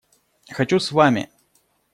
Хочу с вами!